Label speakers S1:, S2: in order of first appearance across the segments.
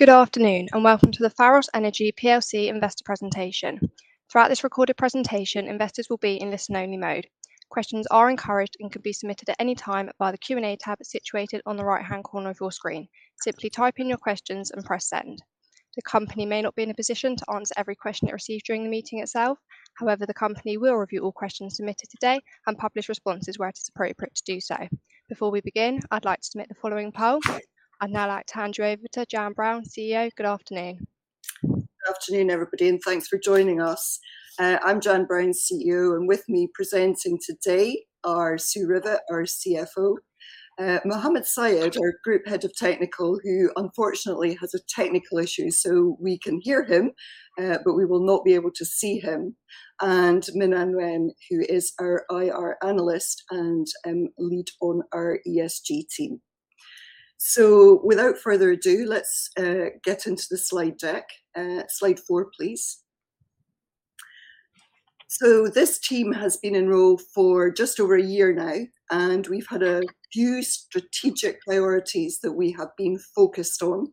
S1: Good afternoon, welcome to the Pharos Energy PLC investor presentation. Throughout this recorded presentation, investors will be in listen only mode. Questions are encouraged and can be submitted at any time via the Q&A tab situated on the right-hand corner of your screen. Simply type in your questions and press send. The company may not be in a position to answer every question it receives during the meeting itself. However, the company will review all questions submitted today and publish responses where it is appropriate to do so. Before we begin, I'd like to submit the following poll. I'd now like to hand you over to Jann Brown, CEO. Good afternoon.
S2: Good afternoon, everybody. Thanks for joining us. I'm Jann Brown, CEO, and with me presenting today are Sue Rivett, our CFO; Mohamed Sayed, our Group Head of Technical, who unfortunately has a technical issue, so we can hear him, but we will not be able to see him; and Minh-Anh Nguyen, who is our IR Analyst and lead on our ESG team. Without further ado, let's get into the slide deck. Slide 4, please. This team has been in role for just over a year now, and we've had a few strategic priorities that we have been focused on.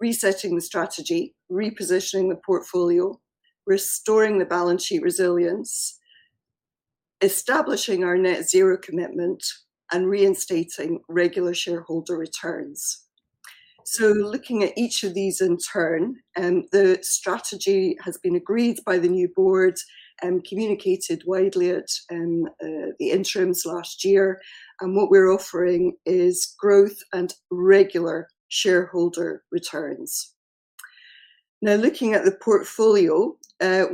S2: Resetting the strategy, repositioning the portfolio, restoring the balance sheet resilience, establishing our net zero commitment, and reinstating regular shareholder returns. Looking at each of these in turn, the strategy has been agreed by the new board and communicated widely at the interims last year. What we're offering is growth and regular shareholder returns. Looking at the portfolio,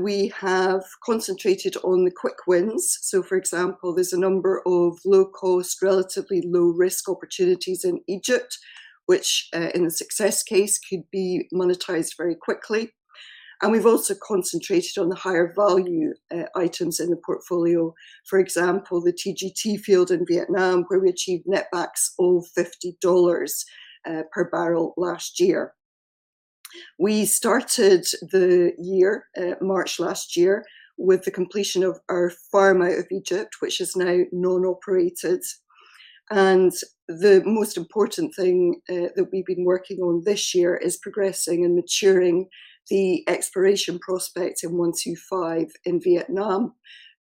S2: we have concentrated on the quick wins. For example, there's a number of low cost, relatively low risk opportunities in Egypt, which in a success case could be monetized very quickly. We've also concentrated on the higher value items in the portfolio. For example, the TGT field in Vietnam, where we achieved netbacks of $50 per barrel last year. We started the year, March last year, with the completion of our farm-out of Egypt, which is now non-operated. The most important thing that we've been working on this year is progressing and maturing the exploration prospect in 125 in Vietnam,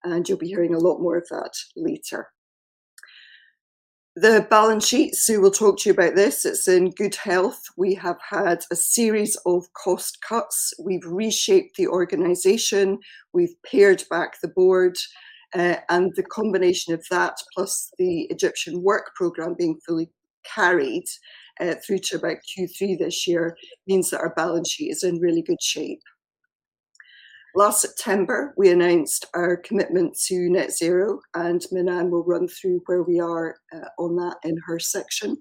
S2: and you'll be hearing a lot more of that later. The balance sheet, Sue will talk to you about this. It's in good health. We have had a series of cost cuts. We've reshaped the organization. We've pared back the board. The combination of that plus the Egyptian work program being fully carried through to about Q3 this year means that our balance sheet is in really good shape. Last September, we announced our commitment to net zero, and Minh-Anh will run through where we are on that in her section.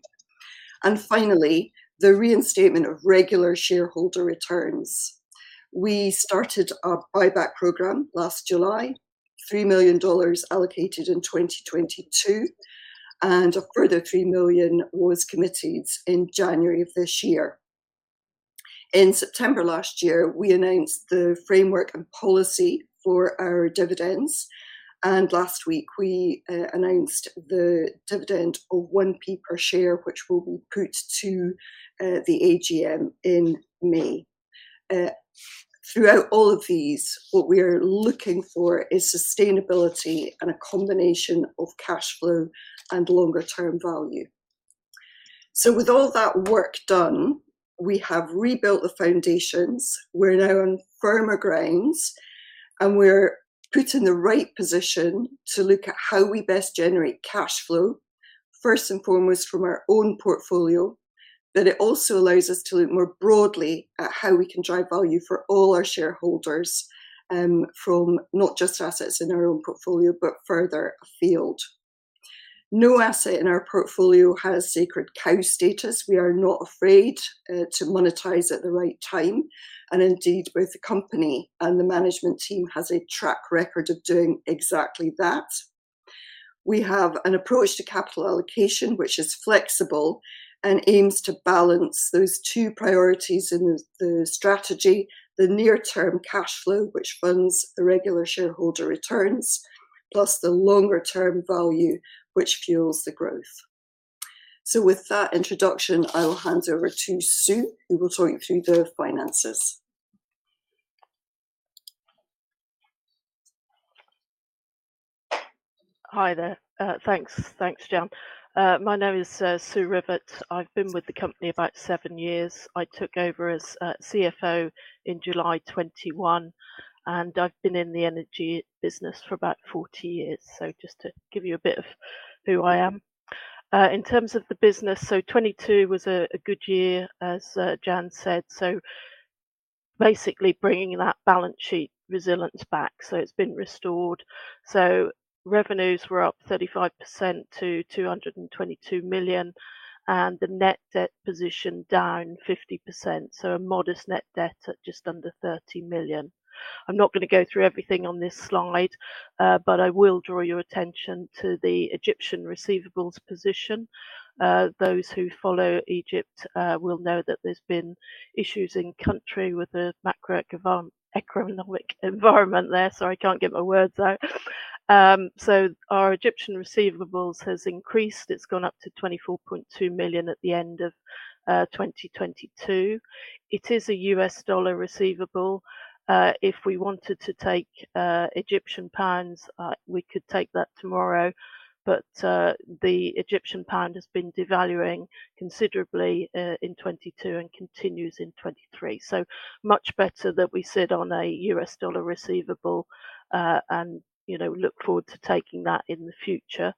S2: Finally, the reinstatement of regular shareholder returns. We started our buyback program last July. $3 million allocated in 2022, a further $3 million was committed in January of this year. In September last year, we announced the framework and policy for our dividends, last week we announced the dividend of 0.01 per share, which will be put to the AGM in May. Throughout all of these, what we're looking for is sustainability and a combination of cash flow and longer-term value. With all that work done, we have rebuilt the foundations. We're now on firmer grounds, we're put in the right position to look at how we best generate cash flow, first and foremost from our own portfolio. It also allows us to look more broadly at how we can drive value for all our shareholders, from not just assets in our own portfolio, but further afield. No asset in our portfolio has sacred cow status. We are not afraid to monetize at the right time. Indeed, both the company and the management team has a track record of doing exactly that. We have an approach to capital allocation, which is flexible and aims to balance those two priorities in the strategy, the near term cash flow, which funds the regular shareholder returns, plus the longer term value, which fuels the growth. With that introduction, I will hand over to Sue, who will talk you through the finances.
S3: Hi there. Thanks. Thanks, Jann. My name is Sue Rivett. I've been with the company about seven years. I took over as CFO in July 2021, and I've been in the energy business for about 40 years. Just to give you a bit of who I am. In terms of the business, 2022 was a good year, as Jann said. Basically bringing that balance sheet resilience back, it's been restored. Revenues were up 35% to $222 million. The net debt position down 50%. A modest net debt at just under $30 million. I'm not gonna go through everything on this slide, but I will draw your attention to the Egyptian receivables position. Those who follow Egypt will know that there's been issues in country with the macroeconomic environment there. Sorry, I can't get my words out, so our Egyptian receivables has increased. It's gone up to $24.2 million at the end of 2022. It is a U.S. dollar receivable. If we wanted to take Egyptian pounds, we could take that tomorrow, but the Egyptian pound has been devaluing considerably in 2022 and continues in 2023. Much better that we sit on a U.S. dollar receivable, and, you know, look forward to taking that in the future.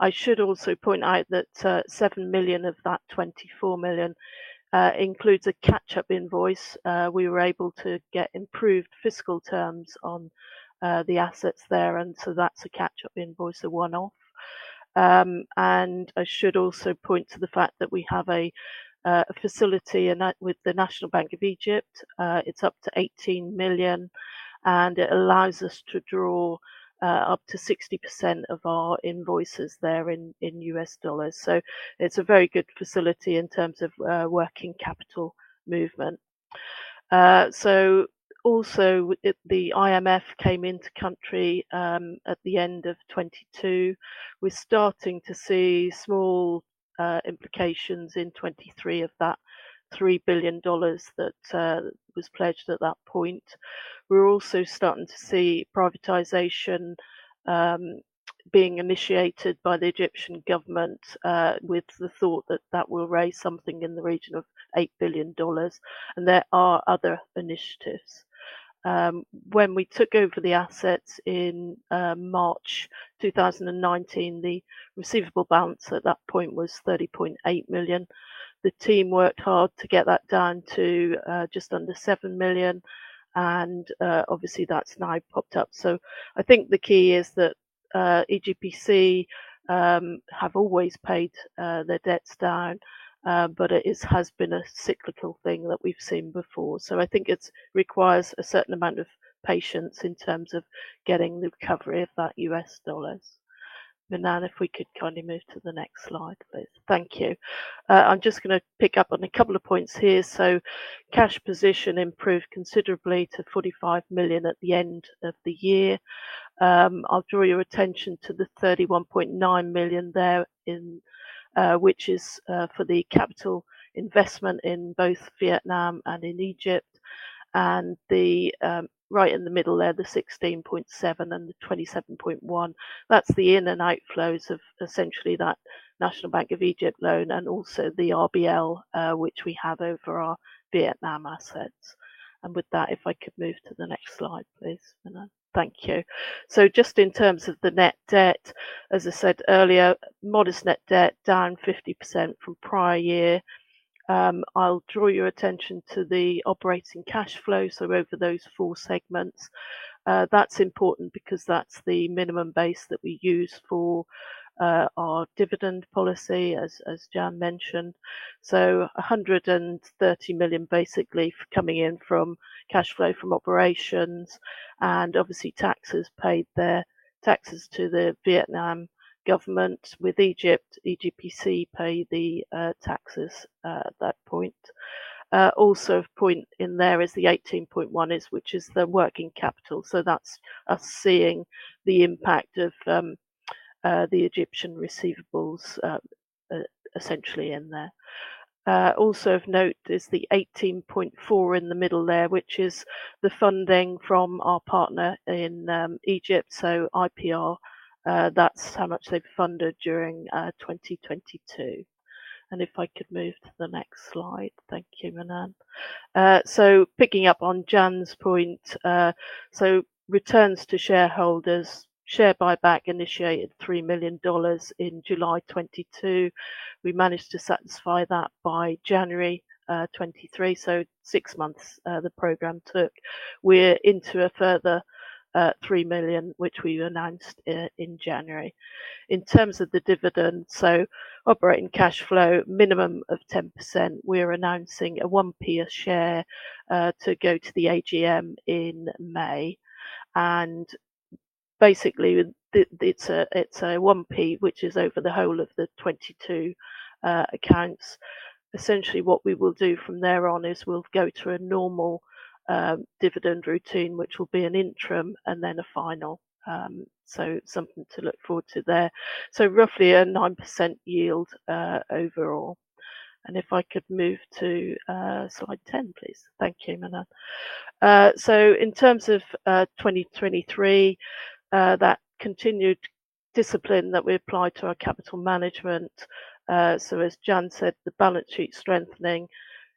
S3: I should also point out that $7 million of that $24 million includes a catchup invoice. We were able to get improved fiscal terms on the assets there, and so that's a catchup invoice, a one-off. I should also point to the fact that we have a facility in that with the National Bank of Egypt. It's up to $18 million, and it allows us to draw up to 60% of our invoices there in U.S. dollars. It's a very good facility in terms of working capital movement. Also, the IMF came into country at the end of 2022. We're starting to see small implications in 2023 of that $3 billion that was pledged at that point. We're also starting to see privatization being initiated by the Egyptian government with the thought that that will raise something in the region of $8 billion, and there are other initiatives. When we took over the assets in March 2019, the receivable balance at that point was $30.8 million. The team worked hard to get that down to just under $7 million and obviously that's now popped up. I think the key is that EGPC have always paid their debts down, but it has been a cyclical thing that we've seen before. I think it requires a certain amount of patience in terms of getting the recovery of that U.S. dollars. Minh-Anh, if we could kindly move to the next slide, please. Thank you. I'm just gonna pick up on a couple of points here. Cash position improved considerably to $45 million at the end of the year. I'll draw your attention to the $31.9 million there in, which is for the capital investment in both Vietnam and in Egypt. The right in the middle there, the $16.7 and the $27.1, that's the in and outflows of essentially that National Bank of Egypt loan and also the RBL, which we have over our Vietnam assets. With that, if I could move to the next slide, please, Minh-Anh. Thank you. Just in terms of the net debt, as I said earlier, modest net debt down 50% from prior year. I'll draw your attention to the operating cash flow, so over those four segments. That's important because that's the minimum base that we use for our dividend policy as Jann mentioned. A $130 million basically coming in from cash flow from operations and obviously taxes paid there, taxes to the Vietnam government. With Egypt, EGPC pay the taxes at that point. Also of point in there is the $18.1 is, which is the working capital. That's us seeing the impact of the Egyptian receivables essentially in there. Also of note is the $18.4 in the middle there, which is the funding from our partner in Egypt, so IPR. That's how much they've funded during 2022. If I could move to the next slide. Thank you, Minh-Anh. Picking up on Jann's point, returns to shareholders. Share buyback initiated $3 million in July 2022. We managed to satisfy that by January 2023, so six months the program took. We're into a further $3 million, which we announced in January. In terms of the dividend, operating cash flow, minimum of 10%. We are announcing a 0.01 a share to go to the AGM in May. Basically, it's a 0.01, which is over the whole of the 2022 accounts. Essentially what we will do from there on is we'll go to a normal dividend routine, which will be an interim and then a final. Something to look forward to there. Roughly a 9% yield overall. If I could move to slide 10, please. Thank you, Minh-Anh. In terms of 2023, that continued discipline that we applied to our capital management. As Jann said, the balance sheet strengthening,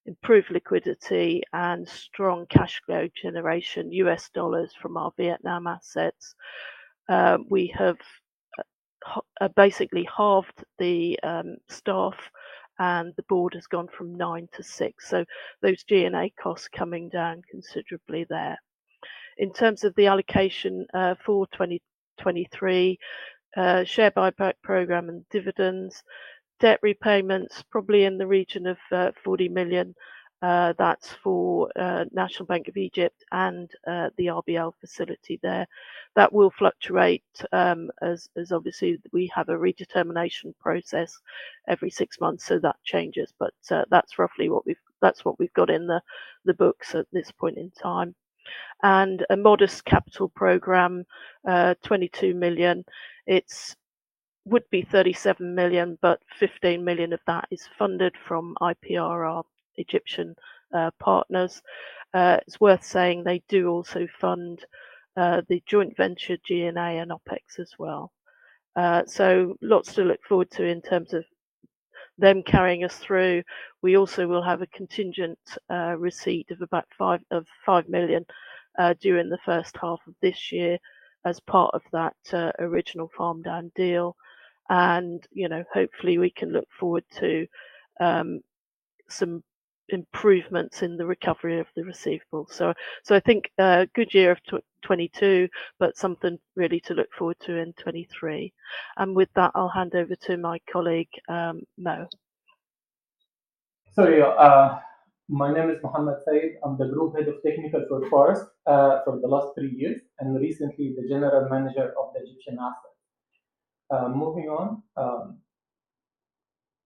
S3: improved liquidity and strong cash flow generation, U.S. dollars from our Vietnam assets. We have basically halved the staff, and the board has gone from 9 to 6. Those G&A costs coming down considerably there. In terms of the allocation for 2023, share buyback program and dividends, debt repayments probably in the region of $40 million. That's for National Bank of Egypt and the RBL facility there. That will fluctuate as obviously we have a redetermination process every six months, that changes. That's roughly what we've got in the books at this point in time. A modest capital program, $22 million. Would be $37 million, $15 million of that is funded from IPR, our Egyptian partners. It's worth saying they do also fund the joint venture G&A and OpEx as well. Lots to look forward to in terms of them carrying us through. We also will have a contingent receipt of about $5 million during the first half of this year as part of that original farmed down deal. You know, hopefully, we can look forward to some improvements in the recovery of the receivable. I think a good year of 2022, but something really to look forward to in 2023. With that, I'll hand over to my colleague Mo.
S4: Yeah, my name is Mohamed Sayed. I'm the Group Head of Technical for Pharos for the last three years, and recently the General Manager of the Egyptian Assets. Moving on.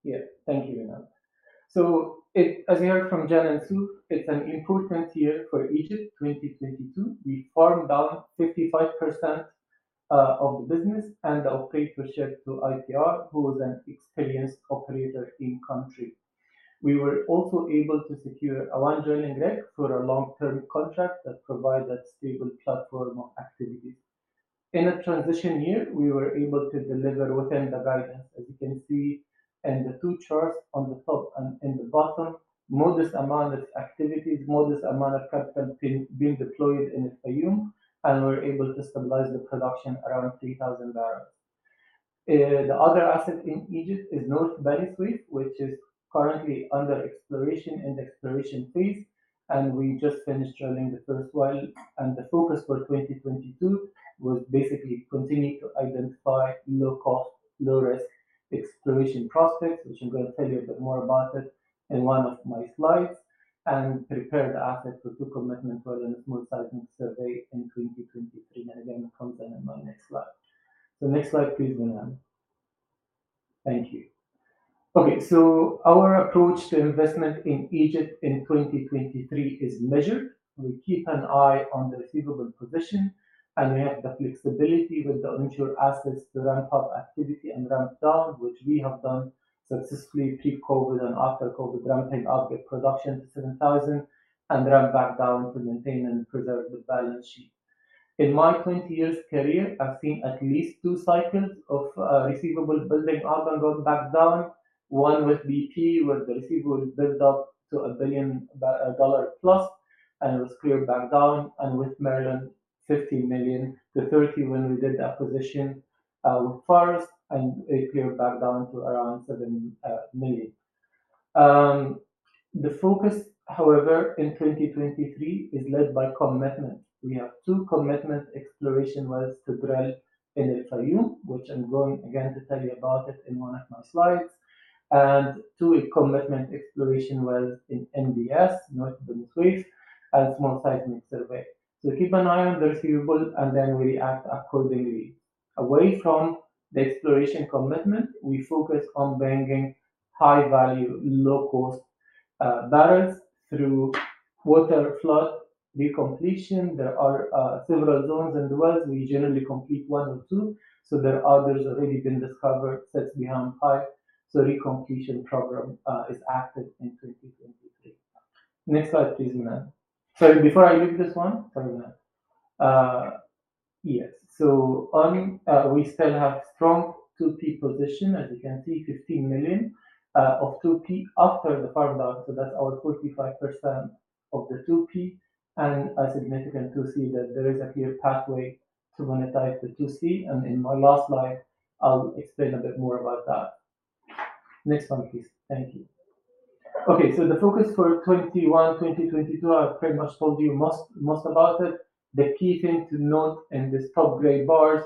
S4: Yeah. Thank you, Minh-Anh. As you heard from Jann and Sue, it's an important year for Egypt, 2022. We farmed out 55% of the business and our paper share to IPR, who is an experienced operator in country. We were also able to secure a one drilling rig for a long-term contract that provided stable platform of activities. In a transition year, we were able to deliver within the guidance. As you can see in the two charts on the top and in the bottom, modest amount of activities, modest amount of capital being deployed in El Fayum, and we're able to stabilize the production around 3,000 barrels. The other asset in Egypt is North Beni Suef, which is currently under exploration in the exploration phase, and we just finished drilling the first well. The focus for 2022 was basically continuing to identify low cost, low risk exploration prospects, which I'm gonna tell you a bit more about it in one of my slides, and prepare the asset for two commitment for the small seismic survey in 2023. Again, it comes in in my next slide. Next slide please, Minh-Anh. Thank you. Okay, our approach to investment in Egypt in 2023 is measured. We keep an eye on the receivable position. We have the flexibility with the onshore assets to ramp up activity and ramp down, which we have done successfully pre-COVID and post-COVID, ramping up the production to 7,000 and ramp back down to maintain and preserve the balance sheet. In my 20 years career, I've seen at least two cycles of receivable building up and going back down. One with BP, where the receivable build up to $1 billion+, It was cleared back down. With Merlon, $50 million to $30 million when we did the acquisition with Pharos, and it cleared back down to around $7 million. The focus, however, in 2023 is led by commitment. We have two commitment exploration wells to drill in El Fayum, which I'm going again to tell you about it in one of my slides. Two commitment exploration wells in NBS, North Beni Suef, and small seismic survey. Keep an eye on the receivable and then we act accordingly. Away from the exploration commitment, we focus on bringing high value, low cost barrels through waterflood recompletion. There are several zones in the wells. We generally complete one or two. There are others already been discovered, sets behind pipe. Recompletion program is active in 2023. Next slide please, Minh-Anh. Sorry, before I leave this one. Sorry, Minh-Anh. Yes. On, we still have strong 2P position. As you can see, $15 million of 2P after the farm-down, so that's our 45% of the 2P and a significant 2C that there is a clear pathway to monetize the 2C. In my last slide, I'll explain a bit more about that. Next one, please. Thank you. Okay, the focus for 2021, 2022, I've pretty much told you most about it. The key thing to note in these top gray bars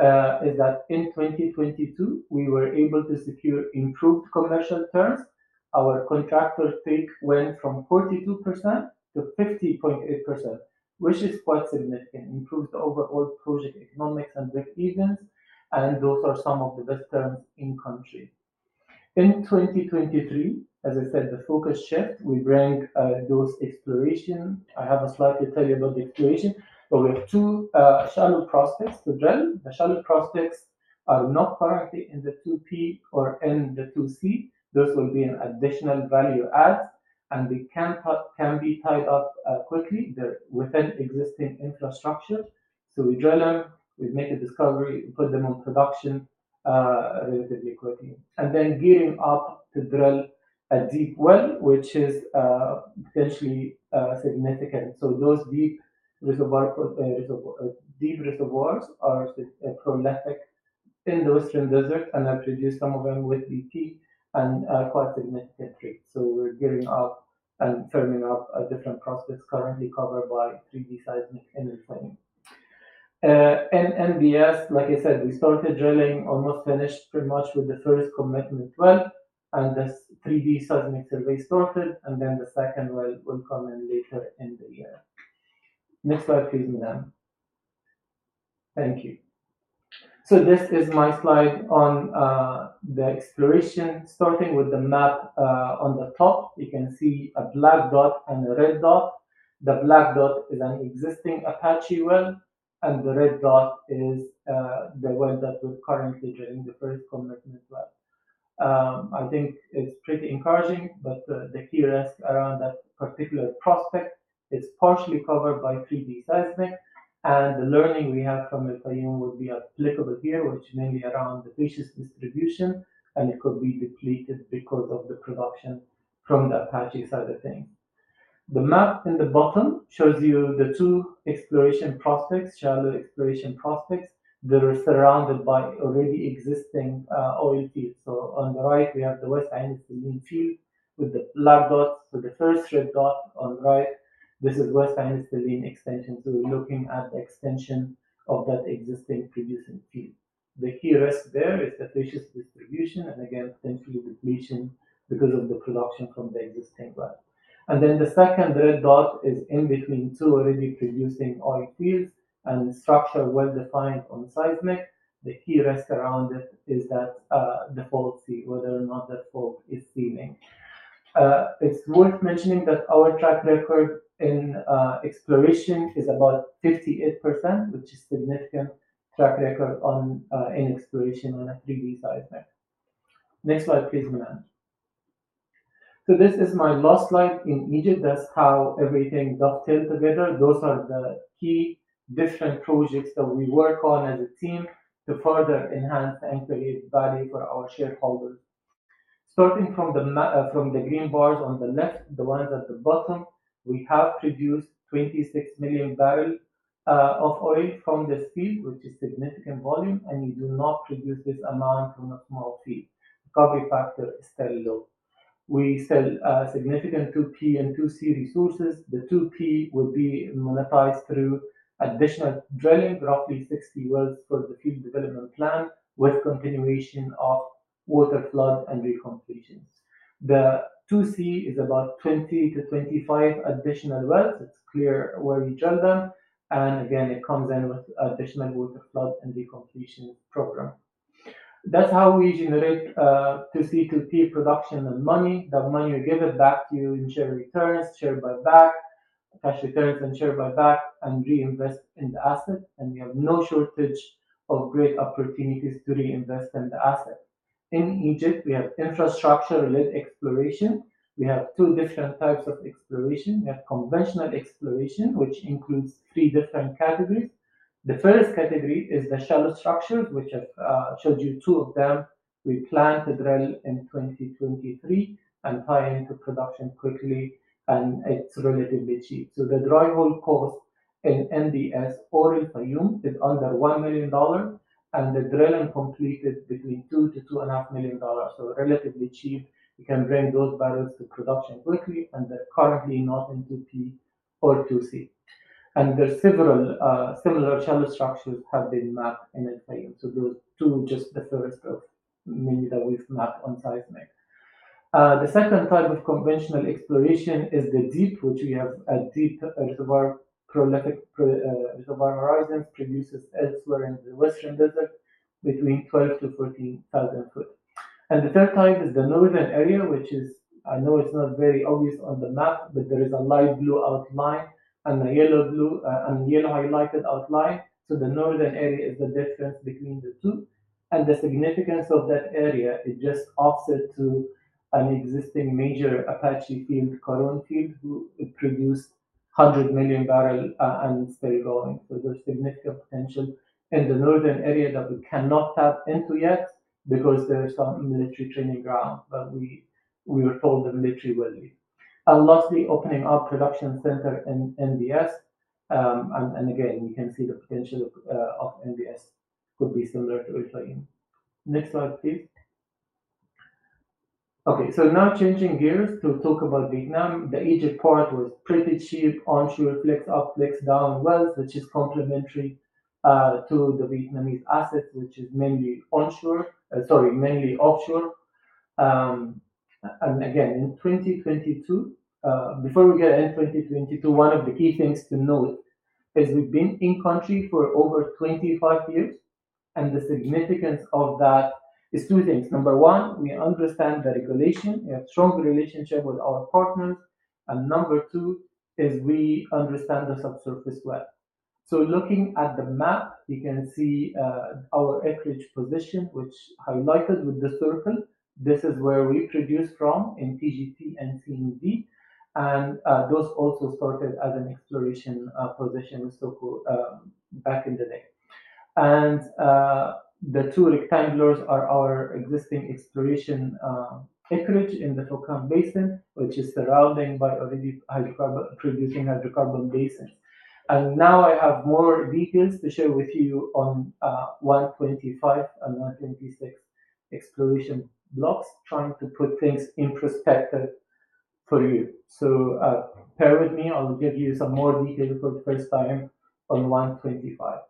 S4: is that in 2022, we were able to secure improved commercial terms. Our contractor take went from 42% to 50.8%, which is quite significant. Improves the overall project economics and breakevens. Those are some of the best terms in country. In 2023, as I said, the focus shift. We bring those exploration. I have a slide to tell you about the exploration. We have two shallow prospects to drill. The shallow prospects are not currently in the 2P or in the 2C. Those will be an additional value add. They can be tied up quickly. They're within existing infrastructure. We drill them, we make a discovery, put them on production relatively quickly. Gearing up to drill a deep well, which is potentially significant. Those deep reservoirs are prolific in the Western Desert and have produced some of them with BP and are quite significant treat. We're gearing up and firming up different prospects currently covered by 3D seismic in the frame. In NBS, like I said, we started drilling, almost finished pretty much with the first commitment well, and the 3D seismic survey started, and then the second well will come in later in the year. Next slide please, Minh-Anh. Thank you. This is my slide on the exploration. Starting with the map, on the top, you can see a black dot and a red dot. The black dot is an existing Apache well, and the red dot is the well that we're currently drilling, the first commitment well. I think it's pretty encouraging, the key risk around that particular prospect is partially covered by 3D seismic, and the learning we have from Fayum will be applicable here, which may be around the viscous distribution, and it could be depleted because of the production from the Apache side of things. The map in the bottom shows you the two exploration prospects, shallow exploration prospects, that are surrounded by already existing oil fields. On the right, we have the West Ain Sokhna field with the black dots. The first red dot on the right, this is West Ain Sokhna extension. We're looking at the extension of that existing producing field. The key risk there is the viscous distribution and again, field depletion because of the production from the existing well. The second red dot is in between two already producing oil fields and the structure well-defined on seismic. The key risk around it is that the fault seal, whether or not that fault is sealing. It's worth mentioning that our track record in exploration is about 58%, which is significant track record on in exploration on a 3D seismic. Next slide, please, Ma'am. This is my last slide in Egypt. That's how everything dovetailed together. Those are the key different projects that we work on as a team to further enhance and create value for our shareholders. Starting from the green bars on the left, the ones at the bottom, we have produced 26 million barrels of oil from this field, which is significant volume. You do not produce this amount from a small field. Recovery factor is still low. We sell significant 2P and 2C resources. The 2P will be monetized through additional drilling, roughly 60 wells for the Field Development Plan with continuation of waterflood and recompletions. The 2C is about 20-25 additional wells. It's clear where we drill them. Again, it comes in with additional waterflood and recompletion program. That's how we generate 2C, 2P production and money. That money will give it back to you in share returns, share buyback, cash returns, and share buyback. Reinvest in the asset. We have no shortage of great opportunities to reinvest in the asset. In Egypt, we have infrastructure-related exploration. We have two different types of exploration. We have conventional exploration, which includes three different categories. The first category is the shallow structures, which I've showed you two of them. We plan to drill in 2023 and tie into production quickly. It's relatively cheap. The dry hole cost in NBS or in Fayum is under $1 million. The drilling completed between $2 million-$2.5 million. Relatively cheap. We can bring those barrels to production quickly. They're currently not in 2P or 2C. There are several similar shallow structures have been mapped in Fayum. Those two are just the first of many that we've mapped on seismic. The second type of conventional exploration is the deep, which we have a deep reservoir- pro reservoir horizons produces elsewhere in the western desert between 12,0000 ft-14,000 ft. The third type is the northern area, which is. I know it's not very obvious on the map, but there is a light blue outline and a yellow blue and yellow highlighted outline. The northern area is the difference between the two. The significance of that area is just offset to an existing major Apache field, Cairo field, who produced 100 million barrel and it's still going. There's significant potential in the northern area that we cannot tap into yet because there is some military training ground. We will told the military we're leaving. Lastly, opening our production center in NBS. Again, you can see the potential of NBS could be similar to El Fayum. Next slide, please. Okay, now changing gears to talk about Vietnam. The Egypt part was pretty cheap, onshore flex up, flex down wells, which is complementary to the Vietnamese assets, which is mainly onshore. Sorry, mainly offshore. Again, in 2022, before we get in 2022, one of the key things to note is we've been in country for over 25 years, and the significance of that is two things. Number one, we understand the regulation. We have strong relationship with our partners. Number two is we understand the subsurface well. Looking at the map, you can see our acreage position, which highlighted with the circle. This is where we produce from in TGT and CNV. Those also started as an exploration position, so-called, back in the day. The two rectangles are our existing exploration acreage in the Phu Khanh Basin, which is surrounding by already hydrocarbon, producing hydrocarbon basins. Now I have more details to share with you on 125 and 126 exploration blocks, trying to put things in perspective for you. Bear with me. I will give you some more detail for the first time on 125.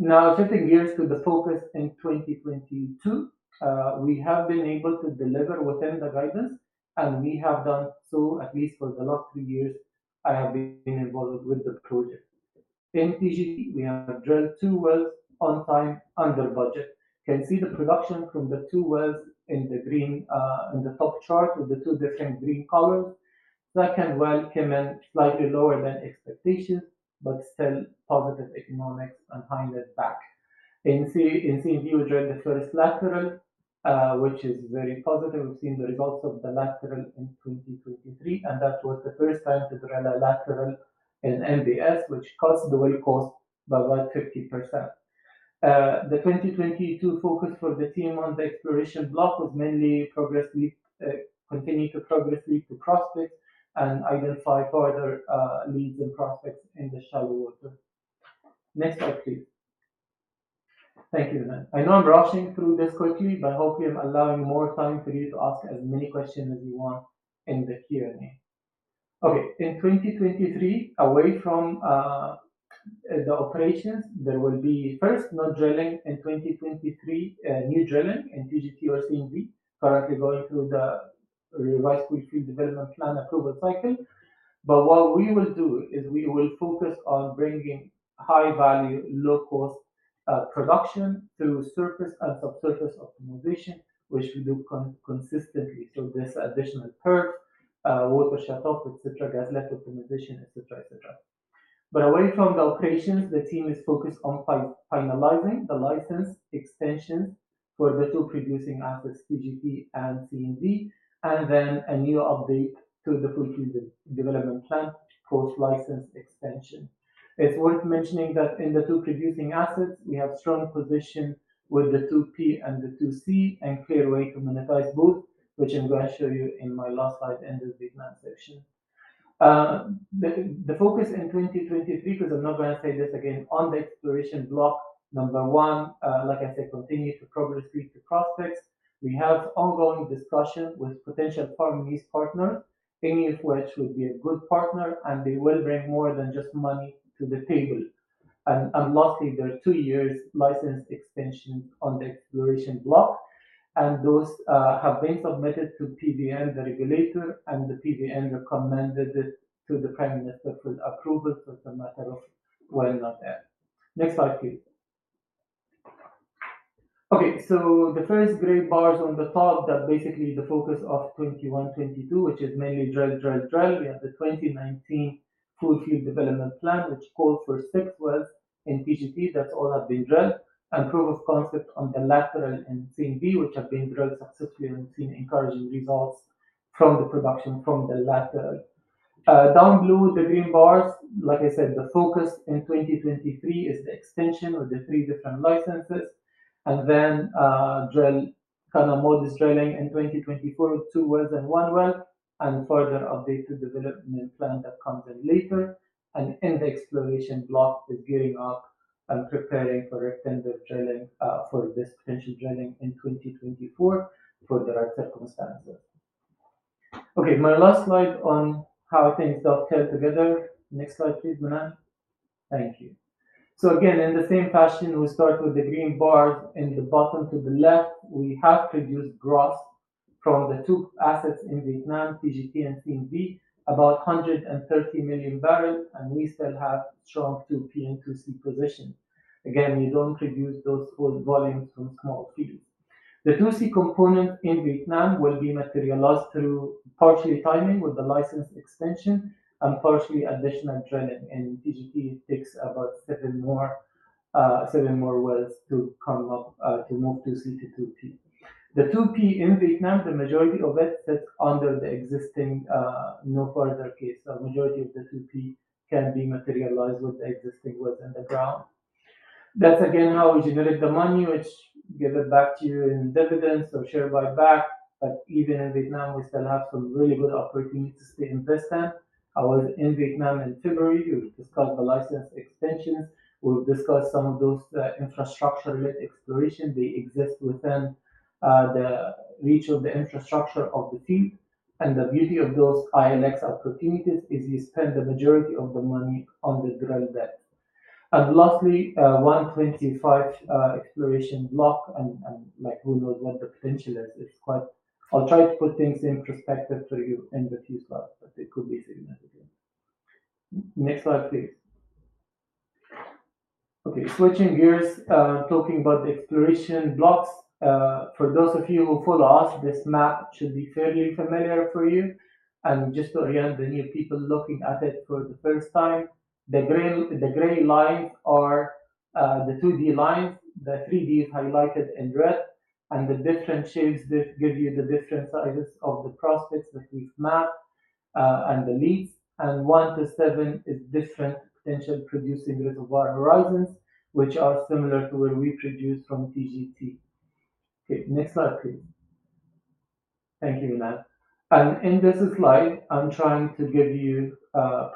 S4: Now shifting gears to the focus in 2022. We have been able to deliver within the guidance, and we have done so at least for the last three years I have been involved with the project. In TGT, we have drilled two wells on time, under budget. You can see the production from the two wells in the green in the top chart with the two different green colors. Second well came in slightly lower than expectations, still positive economics and timed it back. In CNV, we drilled the first lateral, which is very positive. We've seen the results of the lateral in 2023, that was the first time to drill a lateral in MBS, which the well cost by like 50%. The 2022 focus for the team on the exploration block was mainly progress lead, continue to progress lead to prospects and identify further leads and prospects in the shallow water. Next slide, please. Thank you, Minh-Anh. I know I'm rushing through this quickly, hopefully I'm allowing more time for you to ask as many questions as you want in the Q&A. In 2023, away from the operations, there will be first no drilling in 2023, new drilling in TGT or CNV, currently going through the revised FDP approval cycle. What we will do is we will focus on bringing high value, low cost production through surface and subsurface optimization, which we do consistently. There's additional perf, water shut-off, et cetera, gas lift optimization, et cetera, et cetera. Away from the operations, the team is focused on finalizing the license extensions for the two producing assets, TGT and CNV, and then a new update to the Field Development Plan, post-license extension. It's worth mentioning that in the two producing assets, we have strong position with the 2P and the 2C, and clear way to monetize both, which I'm gonna show you in my last slide in this Vietnam section. The focus in 2023, because I'm not gonna say this again, on the exploration block, number one, like I said, continue to progress lead to prospects. We have ongoing discussions with potential farm lease partners, any of which will be a good partner, and they will bring more than just money to the table. Lastly, there are two years license extension on the exploration block, and those have been submitted to PVN, the regulator. The PVN recommended it to the Prime Minister for approval for the matter of when, not if. Next slide, please. The first gray bars on the top, that basically the focus of 2021, 2022, which is mainly drill, drill. We have the 2019 full Field Development Plan, which calls for six wells in TGT that all have been drilled, and proof of concept on the lateral in CNV, which have been drilled successfully and we've seen encouraging results from the production from the lateral. Down below the green bars, like I said, the focus in 2023 is the extension of the three different licenses, and then, drill, kind of more this drilling in 2024, two wells and one well, and further update to development plan that comes in later. In the exploration block, the gearing up and preparing for extended drilling, for this potential drilling in 2024, further our circumstances. Okay, my last slide on how things all tie together. Next slide, please, Minh-Anh. Thank you. Again, in the same fashion, we start with the green bars in the bottom to the left. We have produced gross from the two assets in Vietnam, TGT and CNV, about 130 million barrels, and we still have strong 2P and 2C position. We don't reduce those oil volumes from small fields. The 2C component in Vietnam will be materialized through partially timing with the license extension and partially additional drilling. In TGT, it takes about seven more wells to come up to move 2C to 2P. The 2P in Vietnam, the majority of it sits under the existing no further case. Majority of the 2P can be materialized with existing wells underground. That's again how we generate the money, which give it back to you in dividends or share buyback. Even in Vietnam, we still have some really good opportunities to invest in. I was in Vietnam in February. We discussed the license extensions. We've discussed some of those, infrastructure-led exploration. They exist within, the reach of the infrastructure of the field. The beauty of those ILX opportunities is you spend the majority of the money on the ground there. Lastly, 125 exploration block and like who knows what the potential is. I'll try to put things in perspective for you in the few slides, but it could be significant. Next slide, please. Okay, switching gears, talking about the exploration blocks. For those of you who follow us, this map should be fairly familiar for you. Just to orient the new people looking at it for the first time, the gray lines are the 2D lines. The 3D is highlighted in red. The different shades give you the different sizes of the prospects that we've mapped and the leads. 1-7 is different potential producing reservoir horizons, which are similar to where we produce from TGT. Okay, next slide please. Thank you, Minh-Anh. In this slide, I'm trying to give you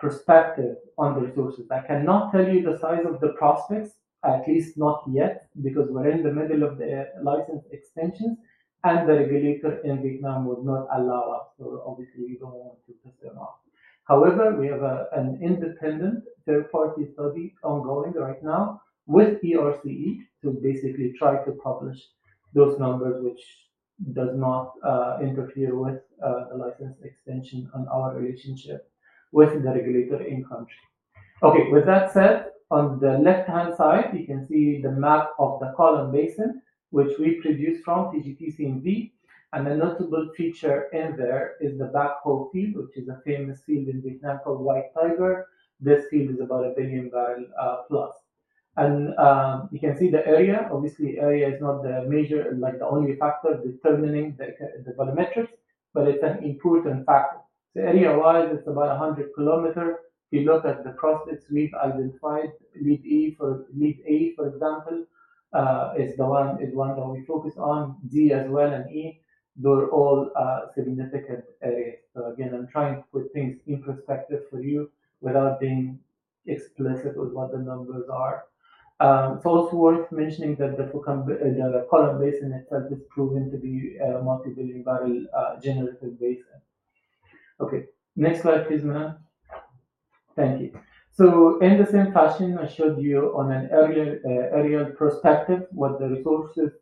S4: perspective on the resources. I cannot tell you the size of the prospects, at least not yet, because we're in the middle of the license extensions, the regulator in Vietnam would not allow us. Obviously, we don't want to piss them off. However, we have an independent third-party study ongoing right now with ERCE to basically try to publish those numbers which does not interfere with the license extension and our relationship with the regulator in country. With that said, on the left-hand side, you can see the map of the Cuu Long Basin, which we produced from TGT C and D. A notable feature in there is the Bac Ho field, which is a famous field in Vietnam called White Tiger. This field is about 1 billion barrel plus. You can see the area. Obviously, area is not the major, like, the only factor determining the volumetrics, but it's an important factor. Area-wise, it's about 100 km. If you look at the prospects we've identified, Lead A, for example, is one that we focus on. D as well and E, they're all significant areas. Again, I'm trying to put things in perspective for you without being explicit with what the numbers are. It's also worth mentioning that the Cuu Long Basin itself is proven to be a multi-billion barrel generative basin. Okay, next slide please, Minh-Anh. Thank you. In the same fashion I showed you on an earlier aerial perspective what the resources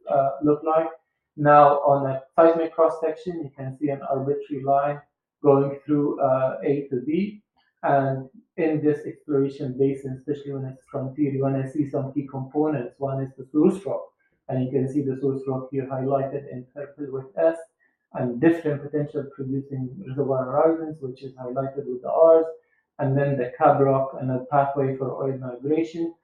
S4: look like, now on a seismic cross-section, you can see an arbitrary line going through A to B. In this exploration basin, especially when it's frontier, you wanna see some key components. One is the source rock, and you can see the source rock here highlighted in purple with S. Different potential producing reservoir horizons, which is highlighted with the R. The cover rock and a pathway for oil migration.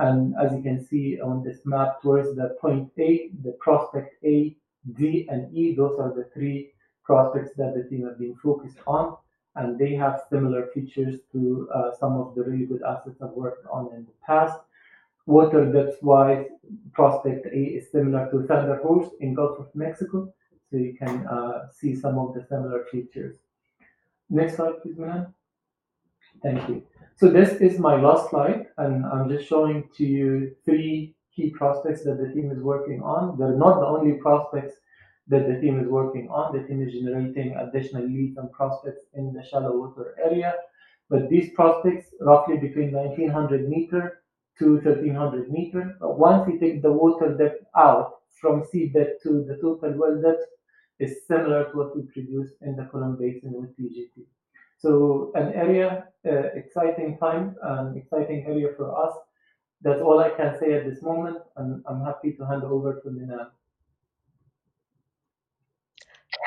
S4: As you can see on this map towards the point A, the prospect A, D, and E, those are the three prospects that the team have been focused on, and they have similar features to some of the really good assets I've worked on in the past. Water depths wise, prospect A is similar to Thunder Horse in Gulf of Mexico, you can see some of the similar features. Next slide please, Minh-Anh. Thank you. This is my last slide, and I'm just showing to you three key prospects that the team is working on. They're not the only prospects that the team is working on. The team is generating additional leads and prospects in the shallow water area. These prospects roughly between 1,900 m-1,300 m. Once you take the water depth out from sea depth to the total well depth, it's similar to what we produced in the Cuu Long Basin with TGT. An area, exciting time and exciting area for us. That's all I can say at this moment. I'm happy to hand over to Minh-Anh.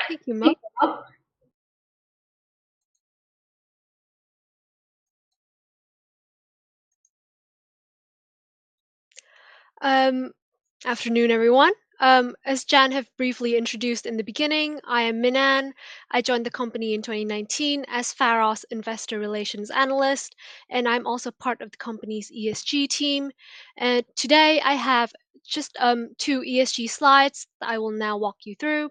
S5: Thank you, Mo. Afternoon everyone. As Jann have briefly introduced in the beginning, I am Minh-Anh Nguyen. I joined the company in 2019 as Pharos investor relations analyst, and I'm also part of the company's ESG team. Today I have just two ESG slides that I will now walk you through.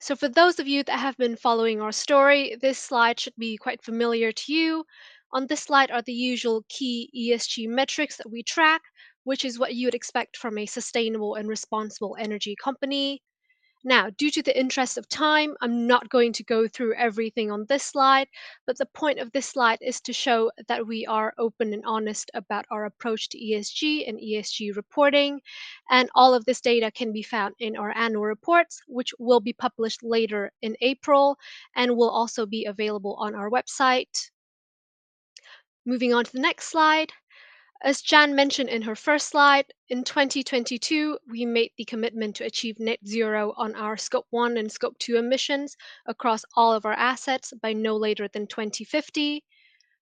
S5: For those of you that have been following our story, this slide should be quite familiar to you. On this slide are the usual key ESG metrics that we track, which is what you would expect from a sustainable and responsible energy company. Due to the interest of time, I'm not going to go through everything on this slide, but the point of this slide is to show that we are open and honest about our approach to ESG and ESG reporting. All of this data can be found in our annual reports, which will be published later in April and will also be available on our website. Moving on to the next slide. As Jann mentioned in her first slide, in 2022 we made the commitment to achieve net zero on our Scope 1 and Scope 2 emissions across all of our assets by no later than 2050.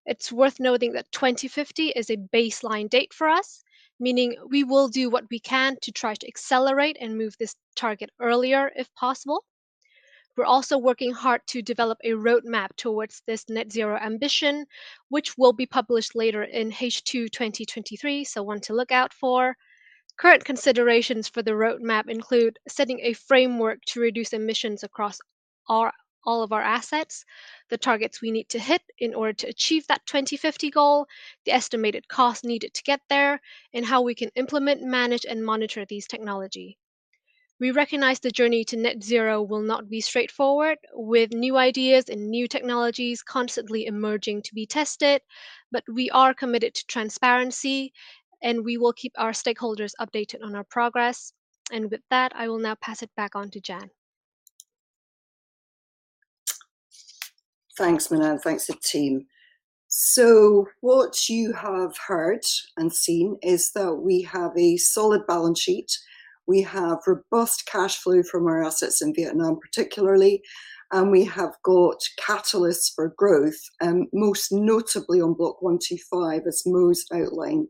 S5: It's worth noting that 2050 is a baseline date for us, meaning we will do what we can to try to accelerate and move this target earlier if possible. We're also working hard to develop a roadmap towards this net zero ambition, which will be published later in H2 2023, so one to look out for. Current considerations for the roadmap include setting a framework to reduce emissions across our... all of our assets, the targets we need to hit in order to achieve that 2050 goal, the estimated cost needed to get there. How we can implement, manage, and monitor this technology. We recognize the journey to net zero will not be straightforward, with new ideas and new technologies constantly emerging to be tested. We are committed to transparency. We will keep our stakeholders updated on our progress. With that, I will now pass it back on to Jann.
S2: Thanks, Minh-Anh. Thanks, the team. What you have heard and seen is that we have a solid balance sheet. We have robust cash flow from our assets in Vietnam particularly, and we have got catalysts for growth, most notably on Block 125 as Mo's outlined,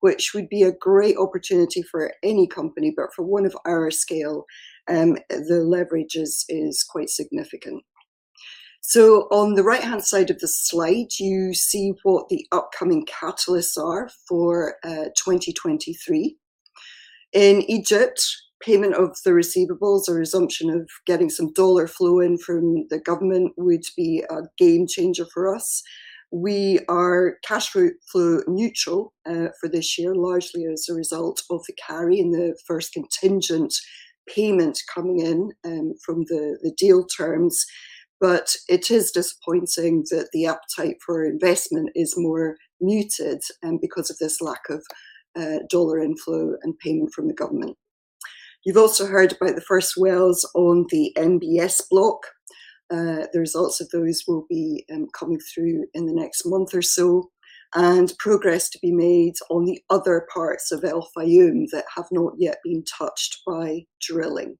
S2: which would be a great opportunity for any company. For one of our scale, the leverage is quite significant. On the right-hand side of the slide, you see what the upcoming catalysts are for 2023. In Egypt, payment of the receivables or resumption of getting some dollar flow in from the government would be a game changer for us. We are cash flow neutral for this year, largely as a result of the carry and the first contingent payment coming in from the deal terms. It is disappointing that the appetite for investment is more muted, because of this lack of dollar inflow and payment from the government. You've also heard about the first wells on the NBS block. The results of those will be coming through in the next month or so. Progress to be made on the other parts of El Fayum that have not yet been touched by drilling.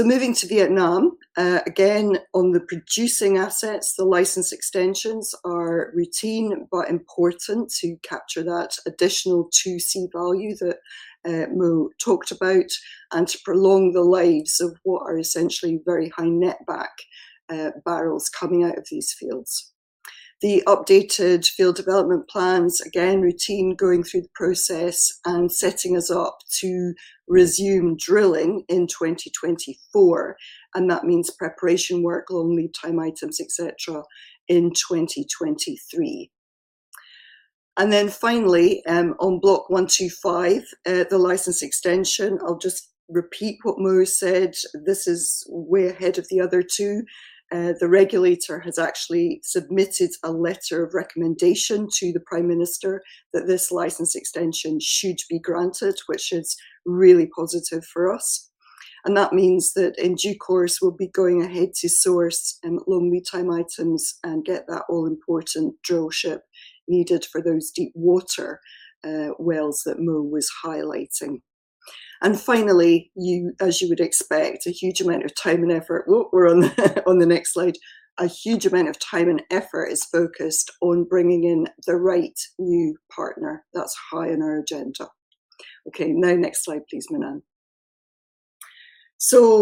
S2: Moving to Vietnam. Again, on the producing assets, the license extensions are routine but important to capture that additional 2C value that Mo talked about, and to prolong the lives of what are essentially very high net back barrels coming out of these fields. The updated Field Development Plans, again, routine, going through the process and setting us up to resume drilling in 2024. That means preparation work, long lead time items, et cetera, in 2023. Finally, on block 125, the license extension, I'll just repeat what Mo said. This is way ahead of the other two. The regulator has actually submitted a letter of recommendation to the Prime Minister that this license extension should be granted, which is really positive for us. That means that in due course we'll be going ahead to source long lead time items and get that all-important drill ship needed for those deep water wells that Mo was highlighting. Finally, you, as you would expect, we're on the next slide. A huge amount of time and effort is focused on bringing in the right new partner. That's high on our agenda. Next slide, please, Minh-Anh.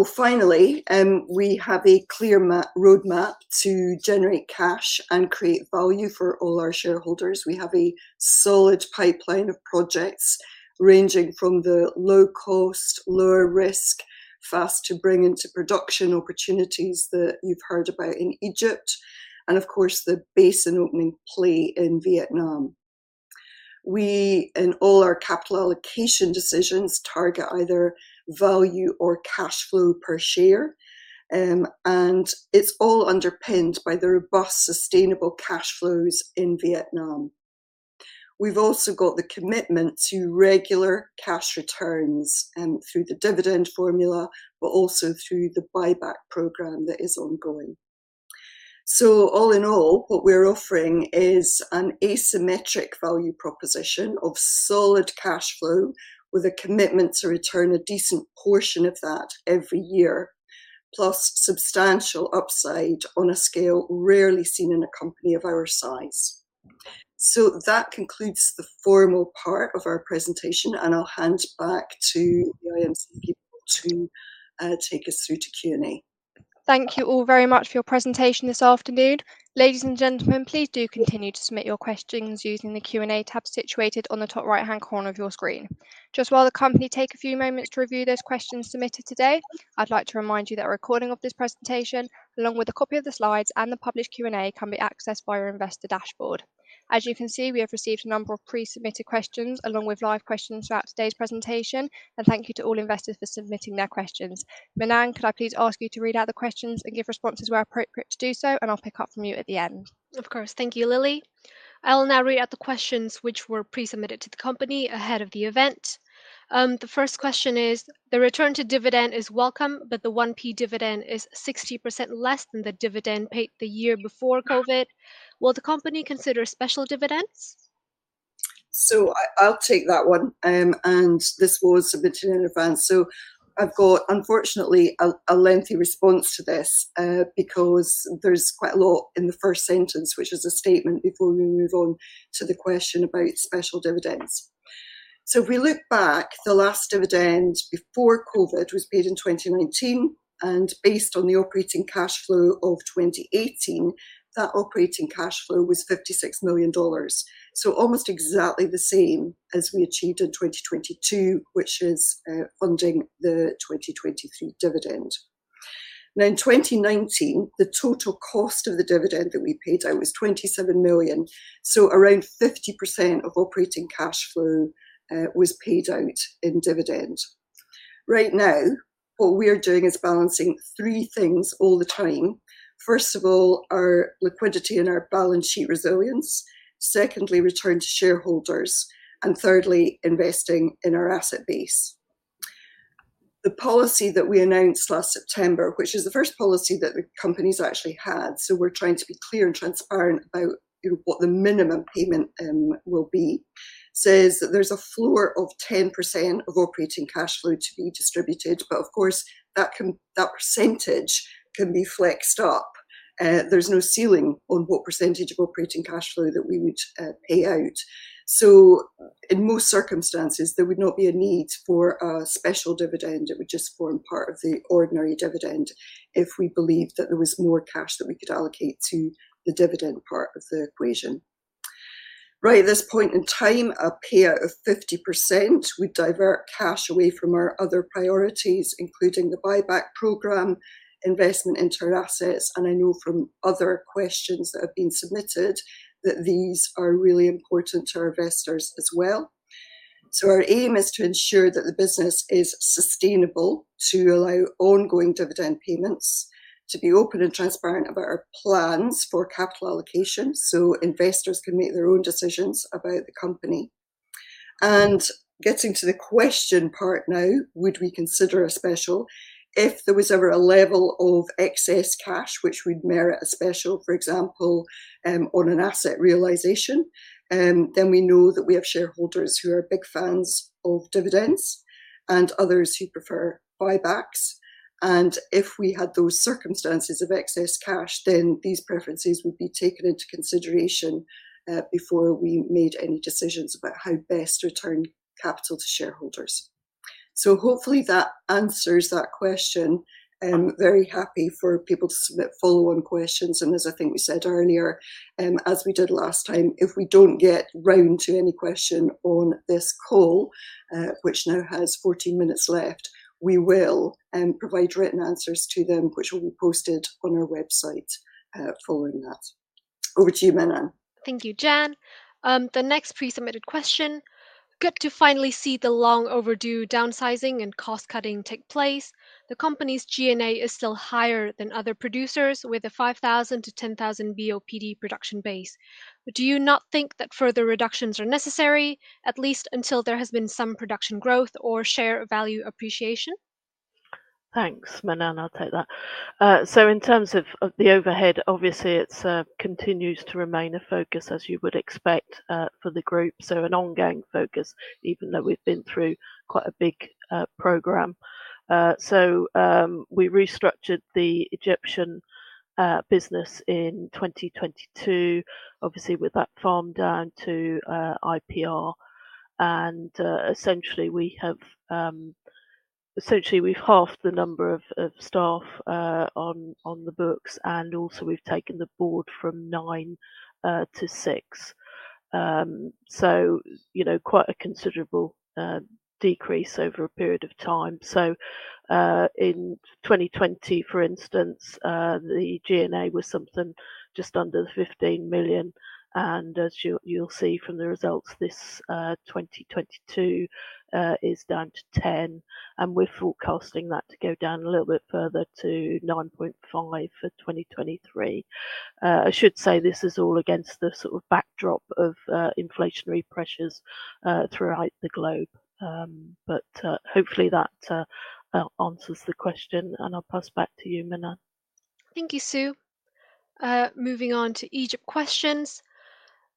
S2: Finally, we have a clear road map to generate cash and create value for all our shareholders. We have a solid pipeline of projects ranging from the low cost, lower risk, fast to bring into production opportunities that you've heard about in Egypt and of course the basin opening play in Vietnam. We, in all our capital allocation decisions, target either value or cash flow per share, and it's all underpinned by the robust, sustainable cash flows in Vietnam. We've also got the commitment to regular cash returns, through the dividend formula, but also through the buyback program that is ongoing. All in all, what we're offering is an asymmetric value proposition of solid cash flow with a commitment to return a decent portion of that every year, plus substantial upside on a scale rarely seen in a company of our size. That concludes the formal part of our presentation, and I'll hand back to the IMC people to take us through to Q&A.
S1: Thank you all very much for your presentation this afternoon. Ladies and gentlemen, please do continue to submit your questions using the Q&A tab situated on the top right-hand corner of your screen. Just while the company take a few moments to review those questions submitted today, I'd like to remind you that a recording of this presentation, along with a copy of the slides and the published Q&A, can be accessed via our investor dashboard. As you can see, we have received a number of pre-submitted questions along with live questions throughout today's presentation. Thank you to all investors for submitting their questions. Minh-Anh, could I please ask you to read out the questions and give responses where appropriate to do so, and I'll pick up from you at the end.
S5: Of course. Thank you, Lily. I will now read out the questions which were pre-submitted to the company ahead of the event. The first question is: The return to dividend is welcome, but the 1p dividend is 60% less than the dividend paid the year before COVID. Will the company consider special dividends?
S2: I'll take that one. This was submitted in advance, so I've got, unfortunately, a lengthy response to this, because there's quite a lot in the first sentence, which is a statement before we move on to the question about special dividends. If we look back, the last dividend before COVID was paid in 2019, and based on the operating cash flow of 2018, that operating cash flow was $56 million, so almost exactly the same as we achieved in 2022, which is funding the 2023 dividend. Now, in 2019, the total cost of the dividend that we paid out was $27 million, so around 50% of operating cash flow was paid out in dividend. Right now, what we're doing is balancing three things all the time. First of all, our liquidity and our balance sheet resilience. Secondly, return to shareholders. Thirdly, investing in our asset base. The policy that we announced last September, which is the first policy that the company's actually had, so we're trying to be clear and transparent about, you know, what the minimum payment will be, says that there's a floor of 10% of operating cash flow to be distributed. Of course, that percentage can be flexed up. There's no ceiling on what percentage of operating cash flow that we would pay out. In most circumstances, there would not be a need for a special dividend. It would just form part of the ordinary dividend if we believed that there was more cash that we could allocate to the dividend part of the equation. Right at this point in time, a payout of 50% would divert cash away from our other priorities, including the buyback program, investment into our assets, and I know from other questions that have been submitted that these are really important to our investors as well. Our aim is to ensure that the business is sustainable to allow ongoing dividend payments to be open and transparent about our plans for capital allocation, so investors can make their own decisions about the company. Getting to the question part now, would we consider a special? If there was ever a level of excess cash which would merit a special, for example, on an asset realization, and then we know that we have shareholders who are big fans of dividends and others who prefer buybacks. If we had those circumstances of excess cash, then these preferences would be taken into consideration, before we made any decisions about how best to return capital to shareholders. Hopefully that answers that question. I'm very happy for people to submit follow-on questions. As I think we said earlier, as we did last time, if we don't get round to any question on this call, which now has 14 minutes left, we will provide written answers to them, which will be posted on our website, following that. Over to you, Minh-Anh.
S5: Thank you, Jann. The next pre-submitted question. Good to finally see the long overdue downsizing and cost-cutting take place. The company's G&A is still higher than other producers, with a 5,00-10,000 BOPD production base. Do you not think that further reductions are necessary, at least until there has been some production growth or share value appreciation?
S3: Thanks, Minh-Anh. I'll take that. So in terms of the overhead, obviously it continues to remain a focus, as you would expect for the group. An ongoing focus, even though we've been through quite a big program. We restructured the Egyptian business in 2022, obviously with that farm-down to IPR. Essentially, we've halved the number of staff on the books, and also we've taken the board from 9 to 6. You know, quite a considerable decrease over a period of time. In 2020, for instance, the G&A was something just under $15 million. As you'll see from the results this 2022 is down to 10, and we're forecasting that to go down a little bit further to 9.5 for 2023. I should say this is all against the sort of backdrop of inflationary pressures throughout the globe. Hopefully that answers the question, and I'll pass back to you, Minh-Anh.
S5: Thank you, Sue. Moving on to Egypt questions.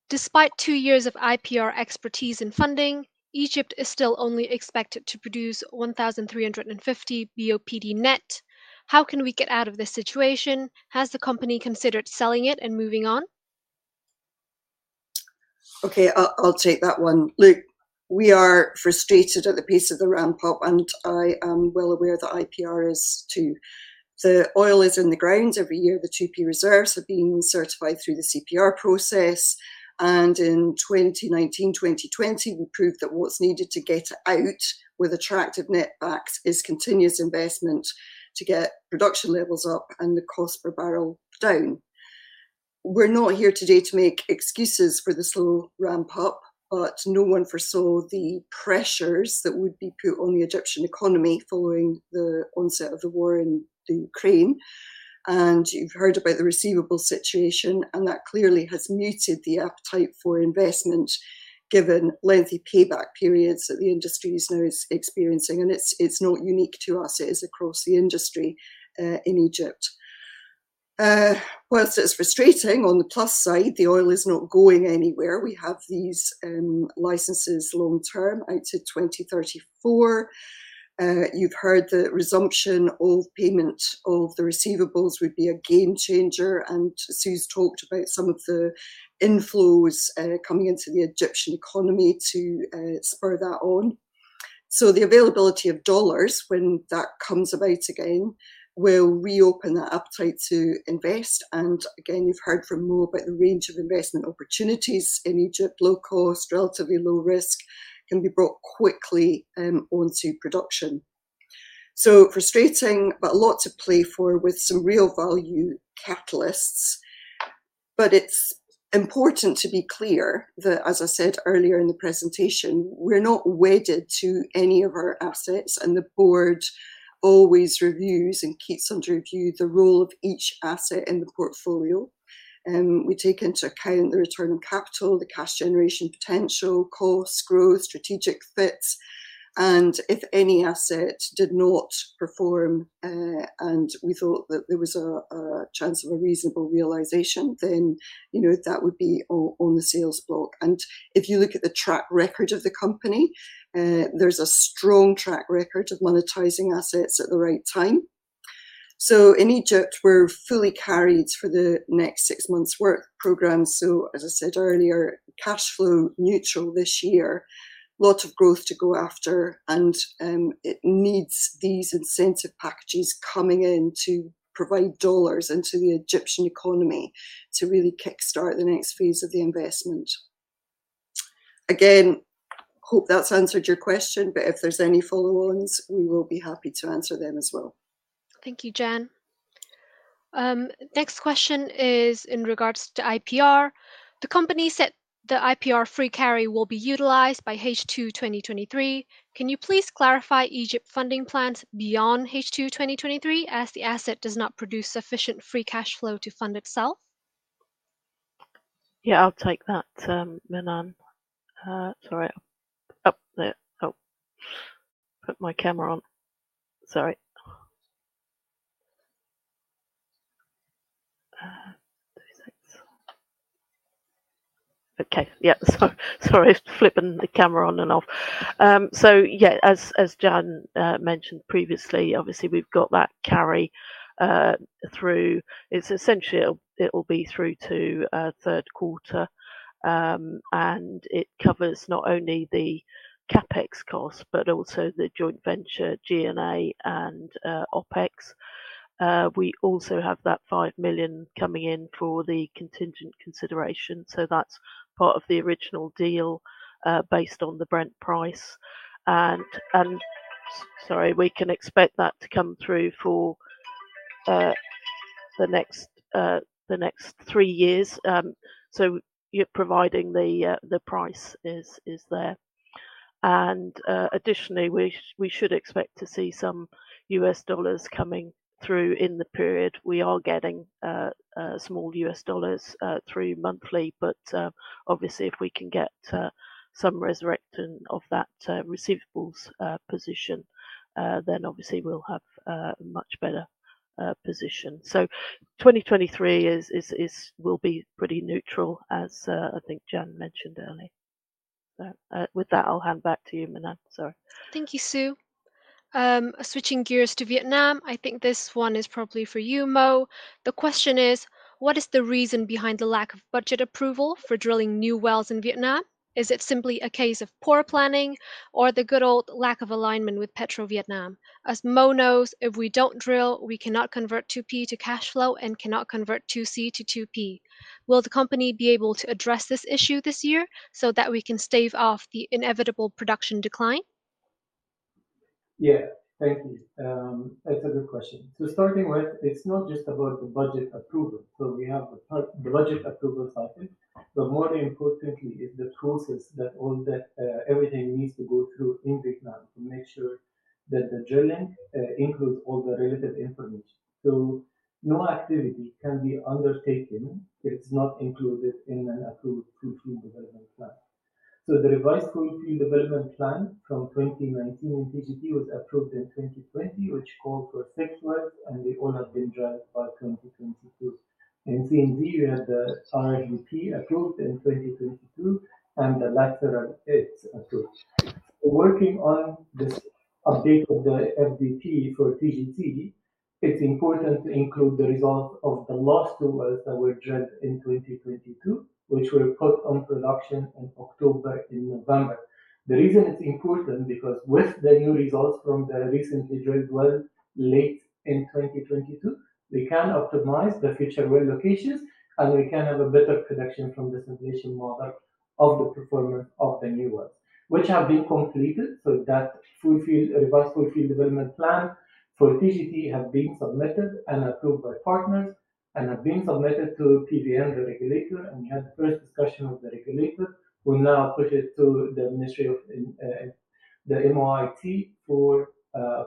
S5: Despite two years of IPR expertise and funding, Egypt is still only expected to produce 1,350 BOPD net. How can we get out of this situation? Has the company considered selling it and moving on?
S2: Okay, I'll take that one. Look, we are frustrated at the pace of the ramp-up, and I am well aware that IPR is too. The oil is in the ground. Every year, the 2P reserves are being certified through the CPR process. In 2019, 2020, we proved that what's needed to get it out with attractive netbacks is continuous investment to get production levels up and the cost per barrel down. We're not here today to make excuses for the slow ramp-up, but no one foresaw the pressures that would be put on the Egyptian economy following the onset of the war in Ukraine. You've heard about the receivable situation, and that clearly has muted the appetite for investment, given lengthy payback periods that the industry is now experiencing. It's not unique to us, it is across the industry in Egypt. Whilst it's frustrating, on the plus side, the oil is not going anywhere. We have these licenses long term out to 2034. You've heard the resumption of payment of the receivables would be a game changer, and Sue's talked about some of the inflows coming into the Egyptian economy to spur that on. The availability of dollars when that comes about again, will reopen that appetite to invest. Again, you've heard from Mo about the range of investment opportunities in Egypt. Low cost, relatively low risk, can be brought quickly onto production. Frustrating, but a lot to play for with some real value catalysts. It's important to be clear that, as I said earlier in the presentation, we're not wedded to any of our assets, and the board always reviews and keeps under review the role of each asset in the portfolio. We take into account the return on capital, the cash generation potential, cost, growth, strategic fits. If any asset did not perform, and we thought that there was a chance of a reasonable realization, then, you know, that would be on the sales block. If you look at the track record of the company, there's a strong track record of monetizing assets at the right time. In Egypt, we're fully carried for the next six months' work program. As I said earlier, cash flow neutral this year. Lots of growth to go after. It needs these incentive packages coming in to provide $ into the Egyptian economy to really kickstart the next phase of the investment. Again, hope that's answered your question, but if there's any follow-ons, we will be happy to answer them as well.
S5: Thank you, Jann. Next question is in regards to IPR. The company said the IPR free carry will be utilized by H2 2023. Can you please clarify Egypt funding plans beyond H2 2023, as the asset does not produce sufficient free cash flow to fund itself?
S3: Yeah, I'll take that, Minh-Anh. Sorry. Oh, there- oh. Put my camera on. Sorry. Two seconds. Okay. Yeah. Sorry for flipping the camera on and off. Yeah, as Jann mentioned previously, obviously we've got that carry through. It's essentially it'll be through to Q3. It covers not only the CapEx cost, but also the joint venture G&A and OpEx. We also have that $5 million coming in for the contingent consideration. That's part of the original deal, based on the Brent price. Sorry. We can expect that to come through for the next three years. You're providing the price is there. Additionally, we should expect to see some U.S. dollars coming through in the period. We are getting small U.S. dollars through monthly, but obviously if we can get some resurrection of that receivables position, then obviously we'll have a much better position. 2023 is will be pretty neutral as I think Jann mentioned earlier. With that, I'll hand back to you, Minh-Anh. Sorry.
S5: Thank you, Sue. Switching gears to Vietnam, I think this one is probably for you, Mo. The question is: What is the reason behind the lack of budget approval for drilling new wells in Vietnam? Is it simply a case of poor planning or the good old lack of alignment with Petrovietnam? As Mo knows, if we don't drill, we cannot convert 2P to cash flow and cannot convert 2C to 2P. Will the company be able to address this issue this year so that we can stave off the inevitable production decline?
S4: Thank you. That's a good question. Starting with it's not just about the budget approval. We have the budget approval cycle, but more importantly is the process that all the everything needs to go through in Vietnam to make sure that the drilling includes all the relevant information. No activity can be undertaken if it's not included in an approved proof Field Development Plan. The revised proof Field Development Plan from 2019 in TGT was approved in 2020, which called for six months, and they all have been drilled by 2022. In CNV, we had the RIGP approved in 2022 and the lateral 8 approved. Working on this update of the FDP for TGT, it's important to include the result of the last two wells that were drilled in 2022, which were put on production in October, in November. The reason it's important because with the new results from the recently drilled well late in 2022, we can optimize the future well locations, and we can have a better production from the simulation model of the performance of the new wells which have been completed. That full field, revised full Field Development Plan for TGT have been submitted and approved by partners and have been submitted to PVN, the regulator, and we had the first discussion with the regulator. We'll now push it to the Ministry of the MOIT for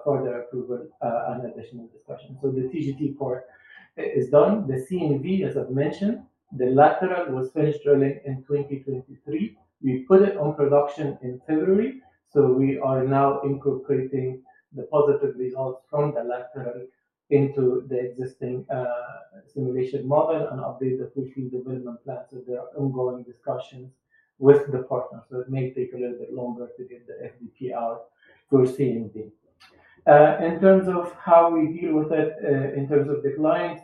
S4: further approval and additional discussion. The TGT part is done. The CNV, as I've mentioned, the lateral was finished drilling in 2023. We put it on production in February. We are now incorporating the positive results from the lateral into the existing simulation model and update the full Field Development Plan. There are ongoing discussions with the partners. It may take a little bit longer to get the FDP for CNV. In terms of how we deal with it, in terms of declines,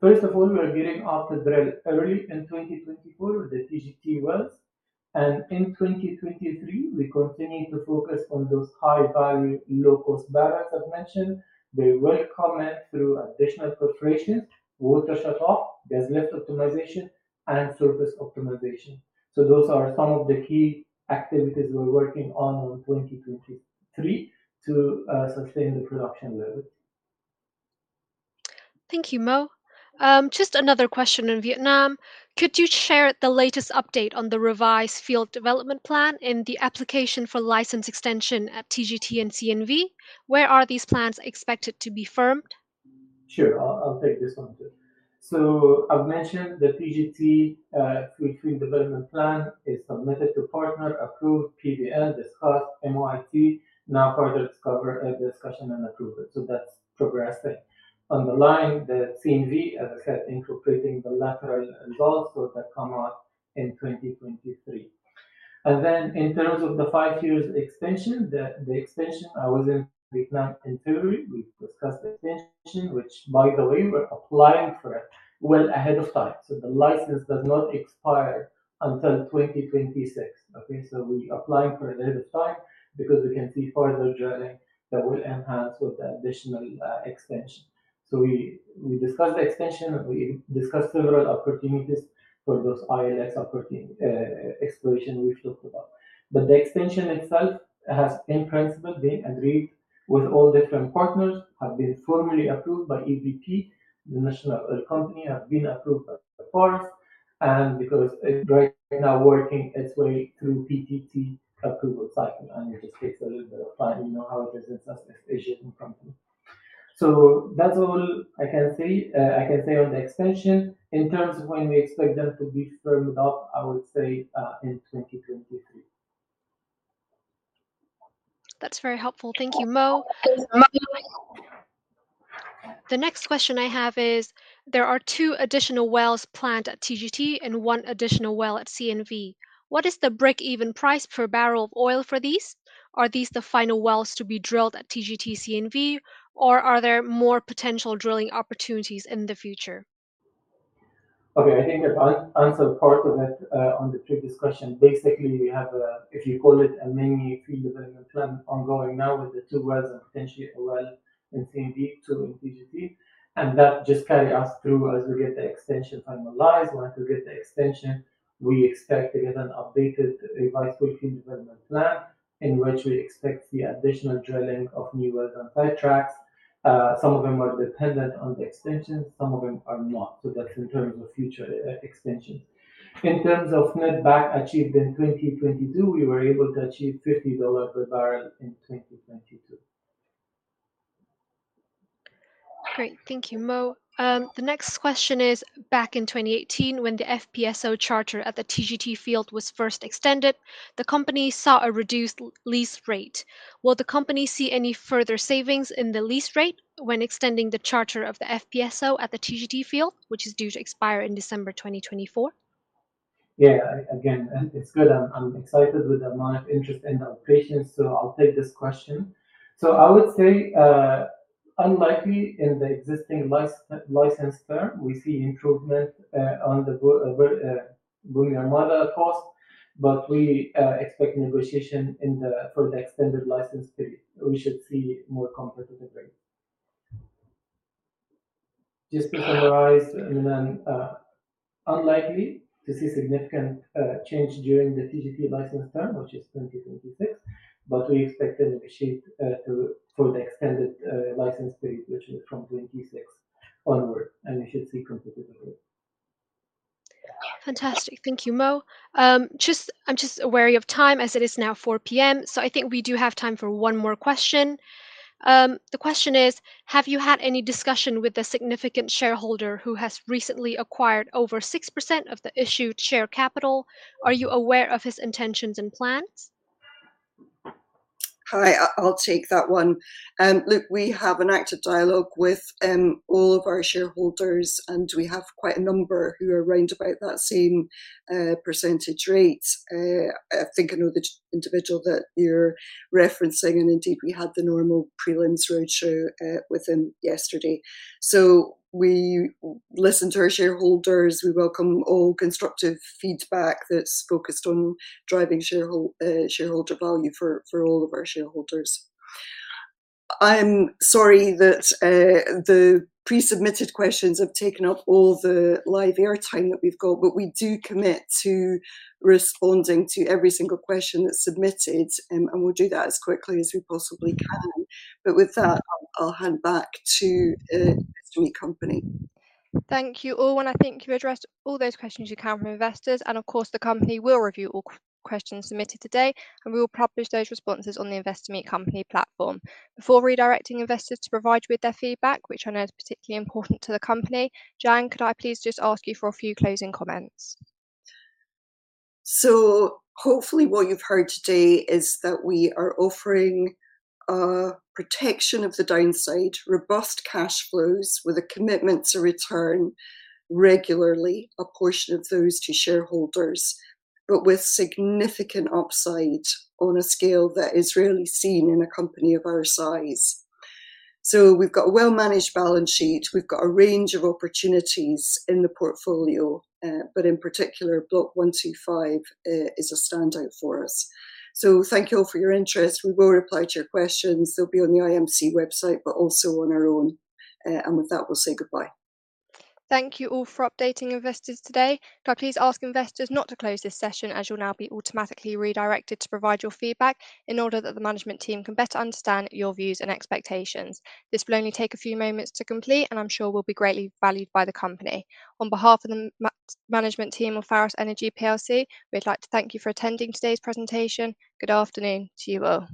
S4: first of all, we are getting off the drill early in 2024 with the TGT wells. In 2023, we continued to focus on those high-value, low-cost barrels I've mentioned. They will come in through additional perforations, water shut-off, gas lift optimization, and surface optimization. Those are some of the key activities we're working on in 2023 to sustain the production level.
S5: Thank you, Mo. Just another question on Vietnam. Could you share the latest update on the revised Field Development Plan and the application for license extension at TGT and CNV? Where are these plans expected to be firmed?
S4: Sure. I'll take this one too. I've mentioned the TGT full Field Development Plan is submitted to partner, approved, PVN discussed, MOIT now further discussion and approval. That's progressing. On the line, the CNV, as I said, incorporating the lateral results so that come out in 2023. In terms of the five years extension, the extension I was in Vietnam in February, we discussed extension, which by the way, we're applying for it well ahead of time. The license does not expire until 2026. Okay? We applying for ahead of time because we can see further drilling that will enhance with the additional extension. We discussed the extension. We discussed several opportunities for those ILX exploration we've talked about. The extension itself has in principle been agreed with all different partners, have been formally approved by PVEP, the national oil company, have been approved by Forest and because it right now working its way through PTT approval cycle and it just takes a little bit of time. You know how it is in Southeast Asia in company. That's all I can say on the extension. In terms of when we expect that to be firmed up, I would say, in 2023.
S5: That's very helpful. Thank you, Mo. The next question I have is, there are 2 additional wells planned at TGT and 1 additional well at CNV. What is the break-even price per barrel of oil for these? Are these the final wells to be drilled at TGT, CNV, or are there more potential drilling opportunities in the future?
S4: Okay. I think I've answered part of it on the previous question. Basically, we have a, if you call it a mini Field Development Plan ongoing now with the two wells and potentially a well in CNV, two in TGT, and that just carry us through as we get the extension finalized. Once we get the extension, we expect to get an updated revised Field Development Plan in which we expect the additional drilling of new wells and pipe tracks. Some of them are dependent on the extension, some of them are not. That's in terms of future extension. In terms of net back achieved in 2022, we were able to achieve $50 per barrel in 2022.
S5: Great. Thank you, Mo. The next question is, back in 2018 when the FPSO charter at the TGT field was first extended, the company saw a reduced lease rate. Will the company see any further savings in the lease rate when extending the charter of the FPSO at the TGT field, which is due to expire in December 2024?
S4: Yeah. Again, it's good I'm excited with the amount of interest in our patients, so I'll take this question. I would say unlikely in the existing license term we see improvement on the borehole model cost, but we expect negotiation for the extended license period. We should see more competitive rates. Just to summarize, unlikely to see significant change during the TGT license term, which is 2026, but we expect to negotiate for the extended license period, which is from 2026 onward. We should see competitive rates.
S5: Fantastic. Thank you, Mo. I'm just wary of time as it is now 4:00 P.M. I think we do have time for one more question. The question is, have you had any discussion with the significant shareholder who has recently acquired over 6% of the issued share capital? Are you aware of his intentions and plans?
S2: Hi. I'll take that one. Look, we have an active dialogue with all of our shareholders. We have quite a number who are around about that same percentage rate. I think I know the individual that you're referencing. Indeed, we had the normal prelims roadshow with him yesterday. We listen to our shareholders. We welcome all constructive feedback that's focused on driving shareholder value for all of our shareholders. I'm sorry that the pre-submitted questions have taken up all the live air time that we've got. We do commit to responding to every single question that's submitted, and we'll do that as quickly as we possibly can. With that, I'll hand back to Investor Meet Company.
S1: Thank you all, and I think you've addressed all those questions you can from investors, and of course, the company will review all questions submitted today, and we will publish those responses on the Investor Meet Company platform. Before redirecting investors to provide you with their feedback, which I know is particularly important to the company, Jann, could I please just ask you for a few closing comments?
S2: Hopefully what you've heard today is that we are offering protection of the downside, robust cash flows with a commitment to return regularly a portion of those to shareholders, but with significant upside on a scale that is rarely seen in a company of our size. We've got a well-managed balance sheet. We've got a range of opportunities in the portfolio, but in particular, Block 125 is a standout for us. Thank you all for your interest. We will reply to your questions. They'll be on the IMC website, but also on our own. With that, we'll say goodbye.
S5: Thank you all for updating investors today. Could I please ask investors not to close this session, as you'll now be automatically redirected to provide your feedback in order that the management team can better understand your views and expectations. This will only take a few moments to complete, and I'm sure will be greatly valued by the company. On behalf of the management team of Pharos Energy plc, we'd like to thank you for attending today's presentation. Good afternoon to you all.